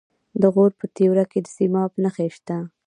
د غور په تیوره کې د سیماب نښې شته.